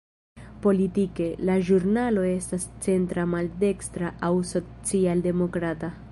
Politike, la ĵurnalo estas centra-maldekstra aŭ social-demokrata.